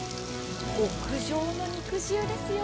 極上の肉汁ですよ。